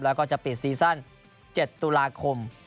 แล้วก็จะปิดซีซั่น๗ตุลาคม